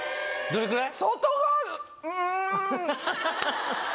どれくらい？